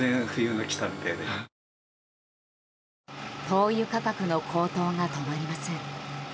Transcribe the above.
灯油価格の高騰が止まりません。